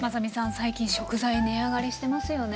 最近食材値上がりしてますよね。